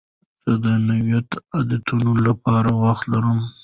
زه د نویو عادتونو لپاره وخت لرم.